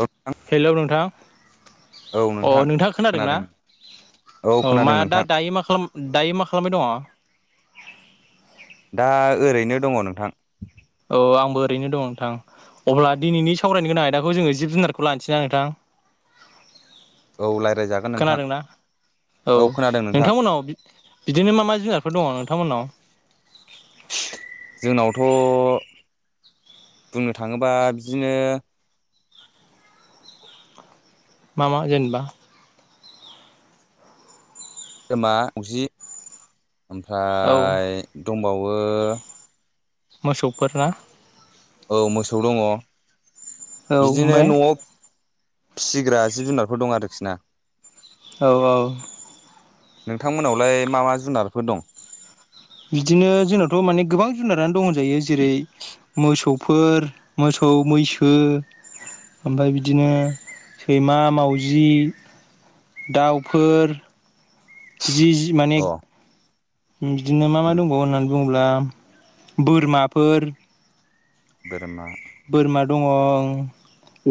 औ हेलौ नोंथां औ अ नोंथां खोनादोंना खोनादों औ मा खोनादों दा नोंथां दायो मा खालाम दायो मा खालामबाय दङ दा ओरैनो दङ नोंथां औ आंबो ओरैनो दङ' नोंथां अब्ला औ दिनैनि सावराय नाय आयदाखौ जोङो जिब जुनारखौ लानोसैना नोंथां औ लायरायजागोन नोंथां खोनादोंना औ खोनादों नोंथां नोंथांमोननाव बिदिनो मा मा जुनारफोर दङ नोंथांमोननाव जोंनावथ' बुंनो थाङोबा बिदिनो मामा जेनबा गोमा मावजि औ ओमफ्राय दंबावो मोसौफोरना ओ मोसौ दङ औ बिदिनो ओमफ्राय न'आव फिसिग्रा जिब जुनारफोर दं आरोखि ना औ औ नोंथां मोनावलाय मा मा जुनारफोर दं? बिदिनो जोंनावथ' माने गोबां जुनारानो दं होनजायो जेरै मोसौ फोर मोसौ, मैसो ओमफाय बिदिनो सैमा, मावजि दाउफोर बिदि जि माने अ बिदिनो मा मा उम दंबावो होननानै बुङोब्ला बोरमाफोर बोरमा बोरमा दङ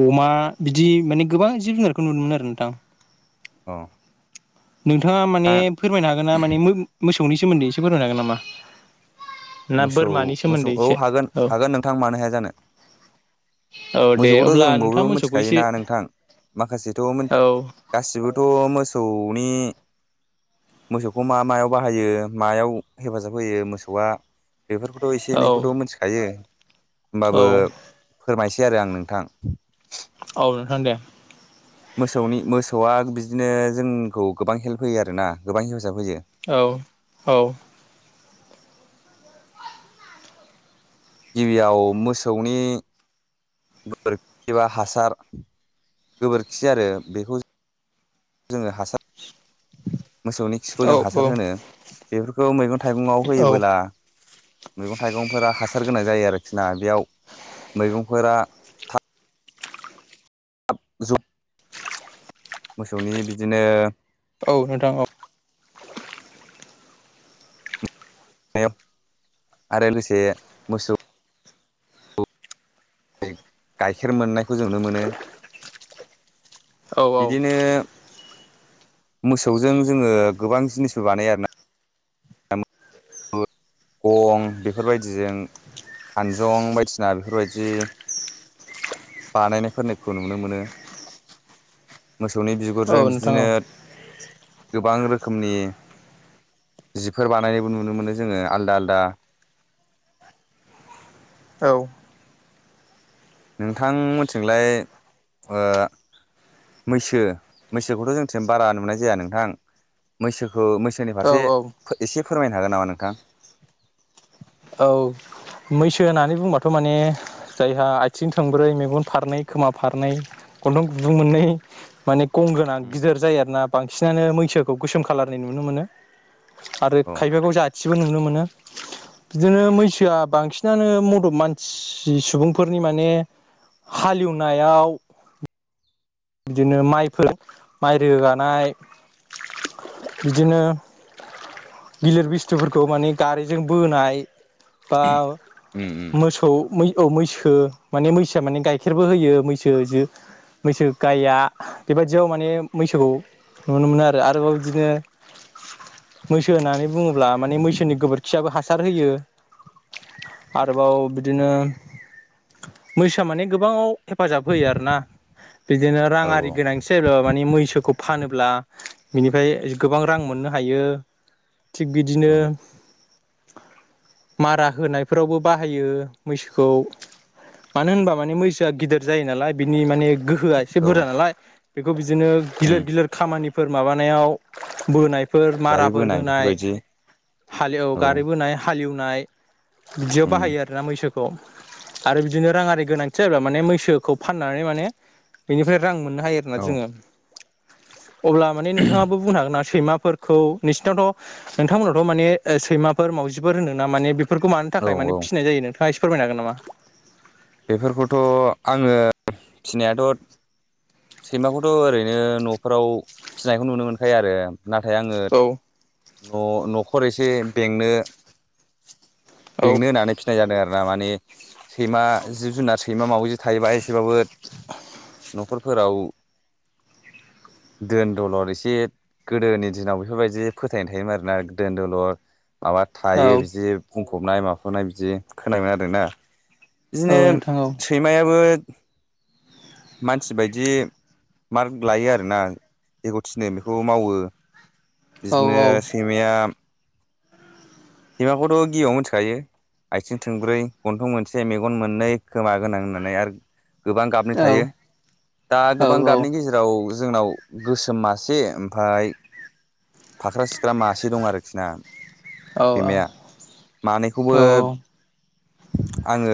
अमा बिदि माने गोबां जिब जुनारखौ नुनो मोनो आरो नोंथां अ नोंथाङा माने दा फोरमायनो हागोन ना माने मो-मोसौनि सोमोन्दै एसे फोरमायनो हागोन नामा ना मोसौ बोरमानि मोसौ सोमोन्दै औ एसे हागोन औ हागोन नोंथां मानो हाया जानो औ दे मोसौखोथ' अब्ला जों नोंथाङा बयबो मोसौखौ एसे मिथिखायोना नोंथां माखासेथ' मोन औ गासिबोथ' मोसौनि मोसौखौ मा मायाव बाहायो मायाव हेफाजाब होयो मोसौआ बेफोरखोथ' एसे औ एनैखौथ' मोन्थिखायो औ होमबाबो फोरमायसै आरो आं नोंथां औ नोंथां दे मोसौनि मोसौआ बिदिनो जोंखौ गोबां हेल्प होयो आरोना गोबां हेफाजाब होयो औ औ गिबियाव मोसौनि गोबोरखि एबा हासार गोबोरखि आरो बेखौ जोङो हासार मोसौनि खिखौ औ जों हासार होनो बेफोरखौ मैगं थाइगङाव औ होयोबोला मैगं थाइगंफोरा हासार गोनां जायो आरोखि ना बेयाव मैगंफोरा आ जु [unintelligible] मोसौनि बिदिनो औ नोंथां औ- आरो लोगोसे मोसौ गाइखेर मोननायखौ जों नुनो मोनो औ औ बिदिनो मोसौजों जोङो गोबां जिनिसबो बानायो आरोना गं बेफोरबायदिजों खानजं बायदिना बेफोरबायदि बानायनायफोरनियखौ नुनो मोनो मोसौ मोसौनि औ बिगुरजों नोंथां औ बिदिनो गोबां रोखोमनि जिफोर बानायनायबो नुनो नुनो मोननो जोङो आलदा-आलदा औ नोंथां मोनथिंलाय ओ मैसो मैसोखौथ' जोंथि बारा नुनाय जाया नोंथां मैसोखौ मैसोनि फारसे औ एसे फोरमायनो हागोन नामा नोंथां औ मैसो होननानै बुंबाथ' माने जायहा आथिं थांब्रै मेगन फारनै खोमा फारनै गन्थं गुन्दुं मोननै माने गं गोनां गिदिर जायो आरोना बांसिनानो मैसोखौ गैसोम खालारनि नुनो मोनो। आरो औ खायफाखौव जाथिबो नुनो मोनो बिदिनो मैसोआ बांसिनानो मदद मानसि सुबुंफोरनि माने हालेवनायाव बिदिनो माइफोर माइ रोगानाय बिदिनो गिलिर बुस्थुफोरखौ माने गारिजों बोनाय बा उम मोसौ-मै औ मैसो माने मैसोआ माने गाइखेरबो होयो मैसो जो मैसो गाइया बेबायदियाव माने मैसोखौ नुनो मोनो आरो आरोबाव बिदिनो मैसो होननानै बुङोब्ला माने मैसोनि गोबोरखियाबो हासार होयो। उम आरोबाव बिदिनो मैसाोआ माने गोबाङाव हेफाजाब होयो आरोना बिदिनो औ रांआरि गोनांथि जायोब्ला माने मैसोखौ फानोब्ला बिनिफ्राय गोबां रां मोननो हायो थिग औ बिदिनो, औ मारा होनायफोरावबो बाहायो मैसोखौ मानो होनबा माने मैसोआ गिदिर जायो नालाय बिनि माने गोहोआ एसे औ बुरजा नालाय बेखौ बिदिनो उम गिलिर-गिलिर खामानिफोर माबानायाव बोनाय फोर बारि माराफोर बोनाय होनाय बेफोरबायदि हालेव औ गारिबोनाय हालेवनाय।्््््् बिदियाव उम बाहायो आरोना मैसोखौ आरो बिदिनो राङारि गोनांथि जायोबा माने मैसोखौ फाननानै माने बेनिफ्राय रां मोनो मोननो हायो आरोना औ जोङो अब्ला माने नोंथाङाबो बुंनो हागोन सैमाफोरखौ नोंसिनावथ' नोंथांमोनावथ' माने सैमाफोर मावजिफोर होनदोंना माने बेफोरफोरखौ मानो औ थाखाय माने औ फिसिनाय जायो नोंथाङा एसे फोरमायनो हागोन नामा? बेफोरखौथ' आङो फिनायाथ' सैमाखौथ' ओरैनो न'फोराव फिसिनायखौ नुनो मोनखायो आरो नाथाय आङो औ न' न'खर एसे बेंनो औ बेंनो होननानै फिनाय जादों आरोना माने सैमा जिब जुनार सैमा मावजि थायोबा एसेबाबो न'खरफोराव [inaudible] दोन दलद एसे गोदोनि दिनाव बेफोरबायदि फोथायनाय थायोमोन आरोना दोन दलद माबा थायो बिदि बुंफबनाय माफबनाय बिदि खोनायोम आरोना औ बिदिनो नोंथां औ सैमायाबो [inaudible] मानसि बायदि मार्क लायो आरोना जेखौ थिनो बेखौ मावो औ बिदिनो सैमाया सैमाखौथ' गिबियाव मिथिखायो आथिं थोंब्रै गन्थं मोनसे मेगन मोननै खोमा गोनां होननानै आर गोबां गाबनि थायो दा गोबां गाबनि गेजेराव जोंनाव गोसोम मासे ओमफ्राय फाख्रा सिख्रा मासे दं आरोखि ना सैमाया मानैखौबो आङो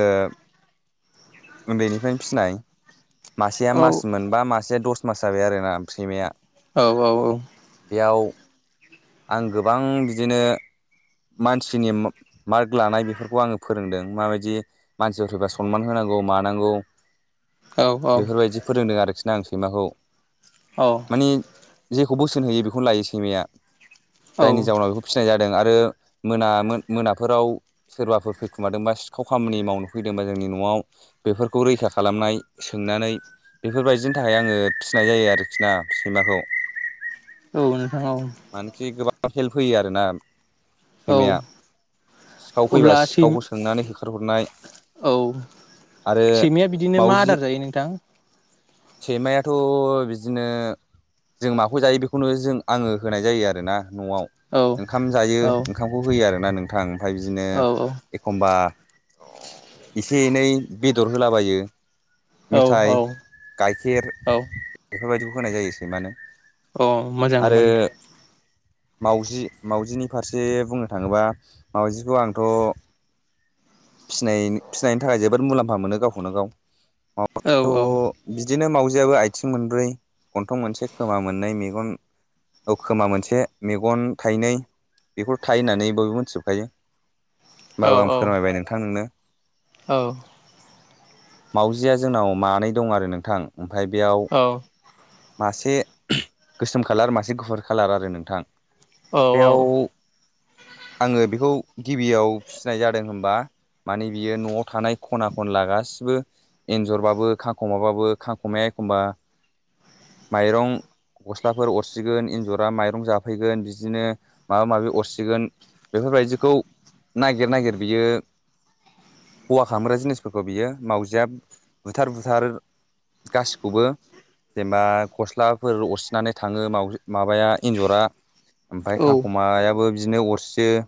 उन्दैनिफ्रायनो फिनाय मासेया मास मोनबा मासेया दस मास जाबाय आरोना सैमाया औ औ औ बेयाव आं गोबां बिदिनो मानसिनि मार्क लानाय बेफोरखौ आङो फोरोंदों माबायदि मानसिफोर फैबा सनमान होनांगौ मा नांगौ औ बेफोरबायदि फोरोंदों आरोखि न आं सैमाखौ औ मानि जेखौ बोसोन होयो बेखौनो लायो सैमाया जायनि औ जाउनाव बेखौ फिसिनाय जादों आरो मोना मोनाफोराव सोरबाफोर फैखुमादोंबा सिखाव खामानि मावनो फैदोंबा जोंनि न'आव बेफोरखौ रैखा खालामनाय सोंनानै बेफोरबायदिनि थाखाय आङो फिसिनाय जायो आरोखि ना सैमाखौ औ नोंथां औ मानोखि हेल्प होयो आरोना औ सैमाया सिखाव फैबा अब्ला सैम सिखावखौ सोंनानै होखारहरनाय औ आरो सैमाया बिदिनो मा मावजि आदार जायो नोंथां सैमायाथ' बिदिनो जों माखौ जायो बेखौनो जों आङो होनाय जायो आरोना न'आव औ ओंखाम जायो औ ओंखामखौ होयो आरोना नोंथां ओमफ्राय बिदिनो औ एखमबा एसे एनै बेदर होलाबायो औ औ मेथाय गाइखेर औ बेफोरबायदिखौ होनाय जायो सैमानो अ मोजां बान्दो मावाउजि मावाउजिनि फारसे बुंनो थाङोबा मावाउजिखौ आंथ' फिनाय फिनायनि थाखाय जोबोद मुलाम्फा मोनो गावखौनो गाव औ औ बियाबबो आथिं मोनब्रै गन्थं मोनसे खोमा मोननै मेगन औ खोमा मोनसे मेगन थाइनै बेखौ थायो होननानै बयबो मोनथिजोबखायो औ होनोमबाबो आं फोरमायबाय नोंथां नोंनो औ मावजिया जोंनाव मानै दं आरो नोंथां ओमफ्राय बेयाव औ मासे गोसोम खालार मासे गुफुर खालार आरो नोंथां औ औ बेयाव आङो बेखौ गिबियाव फिसिनाय जादों होनबा मानि बियो न'आव थानाय खना खनला गासिबो एन्जरबाबो खांख'माबाबो खांख'माया एखमबा [inaudible] माइरं गस्लाफोर अरसिगोन एन्जरा माइरं जाफैगोन बिदिनो माबा माबि अरसिगोन बेफोरबायदिखौ नागिर नागिर बियो खवा खालामामग्रा जिनिसफोरखौ बियो मावजिया बुथार बुथार गासिखौबो जेनेबा गस्लाफोर अरसिनानै थाङो माबाया एन्जरा ओमफ्राय औ खांख'मायाबो बिदिनो अरसियो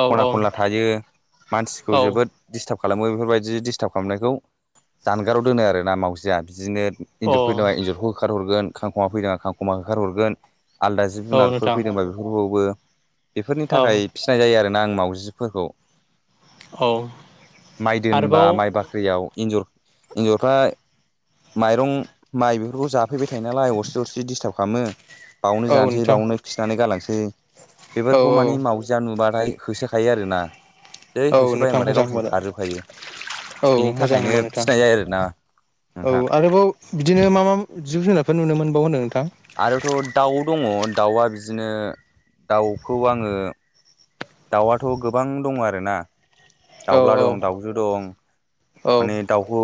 अ खना खनला थायो मानसिखौ जोबोद दिस थाब खालामो बेफोरबायदि दिस्टार्ब खालामनायखौ जानगाराव दोनो आरो ना मावजिया । बिदिनो इन्जर फैदा एन्जरखौ होखार हरगोन खांखमा फैदों खांख'मा होखारहरगोन । आलदा जिब औ जुनारफोर नोंथां फैदोंबा बेफोरफोरखौावबो बेफोरनि औ थाखाय फिसिनाय जायो आरोोना आं मावउजिफोरखौ औ माइ दोनबा आरोबाव माइ बाख्रियाव एन्जर एन्जरफ्रा माइरं माइ बेफोरखौ जाफैबाय थायो नालाय अरसे अरसे दिडिस्थार्ब खालामो बावनो औ जानोसै नोंथां बावनो खिनानै गालांसै औ बेफोरखौ औ मानिे मावजिया नुबाथाय होसोखायो आरोोना जै औ होसोबाय नोंथां होनबाथाय मोजां गावसोरनो होनबालाय खारजोबखायो औ बिनि मोजां थाखायनो होनबा नोंथां फिनाय जायो आरोना औ नोंथां आरोबाव बिदिनो मा मा जिब जुनारफोर नुनो मोनबाव होनदों नोंथां आरोथ' दाउ दङ दाउआ बिदिनो दाउखौ आङो दाउआथ' गोबां दङ आरोना औ दाउला औ दं दाउजु दं औ माने दाउखौ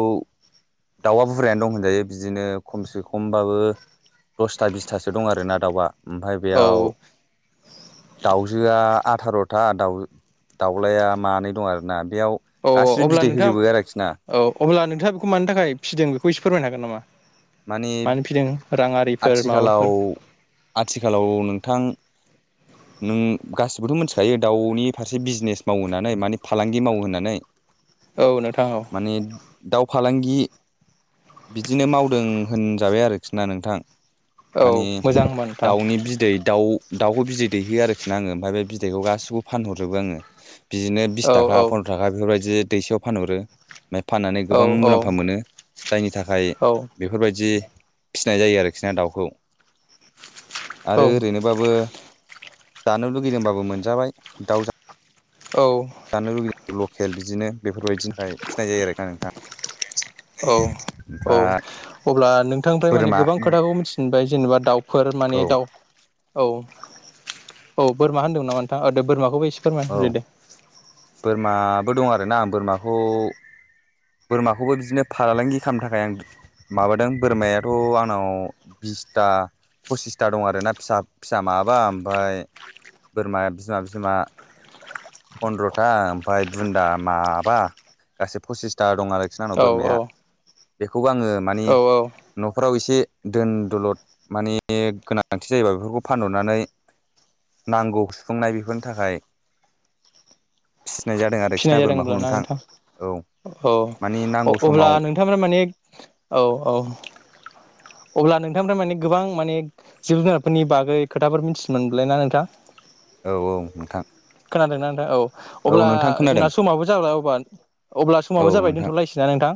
दाउआ बुरजायानो दं होनजायो बिदिनो खमसे खमबाबो दसथा बिसथासो दं आरोना दाउआ ओमफ्राय औ बेयाव दाउजोआ आथार' थथा दाउ दाउलाया मानै दं आरोना बेयाव औ गासिबो अब्ला बिदै नोंथां होजोबो आरोखि ना औ अब्ला नोंथाङा बेखौ मानि थाखाय फिसिदों बेखौ एसे फोरमायनो हागोन नामा माने मानो फिदों राङारिफोर माबाफोर आथिखालाव आथिखालाव नों थां नों गासिबोथ' मिथिखायो दाउनि फारसे बिजनेस मावहोनानै माने फालांगि माव होनोनानै औ नोंथां औ माने दााव फालांगि बिदिनो माव फोरों होनजाबाय आरोखि ना नोंथां औ माने मोजां होनबा नोंथां दाउनि बिदै दाउ दाउखौ बिदै दैहो आरोखि ना आङो ओमफ्राय बे बिदैखौ गासिखौबो फानहरजोबो आङो बिदिनो बिस औ थाखा फन्द्र' थाखा बेफोरबायदि ज दैसेायाव फानहरो ओमफ्राय फाननानै औ गोबां औ औ मुलाम्फा मोनो जायनि थाखाय बेफोरबायाददि फिसिनाय जायो आरोखि ना दाउखौ औ आरो ओरैनोबाबो जानो लुगैदोंबाबो मोनजाबाय दाउ औ जानो लुगैयो लकेल बिदिनो बेफोरबायदिनि थाखाय फिसिनाय जायो आरोख आ नोंथां । औ औ अब्ला नोंथांनिफ्राय माने बोरमा गोबां खोथाखौ मिथिबाय जेनेबा दाउफोर औ माने दाउ औ औ बोरमा होनदों नामा नोंथांद बोरमाखौबो एसे औ फोरमायना होदो दे बोरमाबो दं आरोना आं बोरमाखौ बोरमाखौबो बिदिनो फारालांगि खालामनो थाखाय आं माबादों बोरमायाथ' आंनाव बिसथा फसिसथा दं आरोना फिसा फिसा माबा ओमफ्राय बोरमाया बिमा बिमा फन्द्र'था ओमफ्राय बुन्दा माबा गासै फसिसथा दं आरोखिना आंनाव औ बोरमाया औ बेखौबो आङो मानिे औ औ न'खराव एसे दोन दलद माने गोनांथि जायोबा बेफोरखौ फानहरनानै नांगौ सुफुंनाय बेफोरनि थाखाय। फिसिनाय जादों आरोखि फिनाय ना जादों बोरमाखौ होनब्लाना नोंथां। औ औ मानि नांगौ अब्ला समाव नोंथांमोना माने औ औ। अब्ला नोंथांनिफ्राय माने गोबां माने जिब जुनारफोरनि बागै खोथाफोर मिथिनो मोनबायना नोंथां। औ औ नोंथां। खोनादोंना नोंथां औ औ अब्ला। नोंथां जोंना खोनादों समावबो जाबाय अब्ला अब्ला औ समाबो जाबाय नोंथां दोनथ'लायसै ना नोंथां।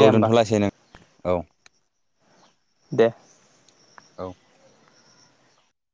औ होमबा दोनथलासै नों औ। दे। औ।